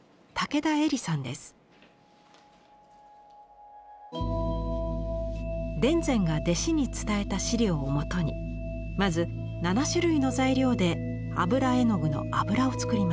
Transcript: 田善が弟子に伝えた資料をもとにまず７種類の材料で油絵の具の油を作ります。